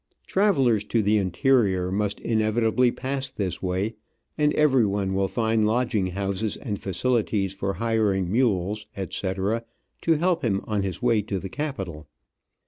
Travellers to the interior must inevitably pass this way, and every one will find lodging houses and facilities for hiring mules, etc., to help him on his way to the capital.